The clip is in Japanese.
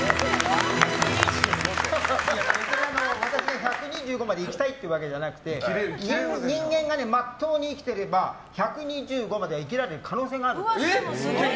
私１２５まで生きたいわけじゃなくて人間がまっとうに生きてれば１２５までは生きられる可能性がある。